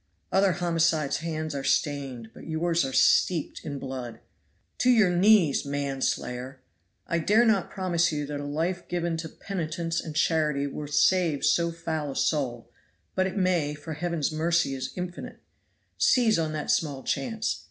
Other homicides' hands are stained, but yours are steeped in blood. To your knees, MAN slayer! I dare not promise you that a life given to penitence and charity will save so foul a soul, but it may, for Heaven's mercy is infinite. Seize on that small chance.